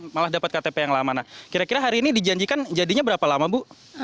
malah dapat ktp yang lama nah kira kira hari ini dijanjikan jadinya berapa lama bu